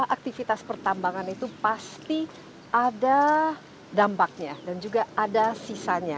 aktivitas pertambangan itu pasti ada dampaknya dan juga ada sisanya